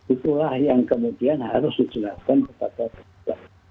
itulah yang kemudian harus dijelaskan kepada kedua